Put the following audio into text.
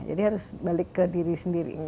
jadi harus balik ke diri sendiri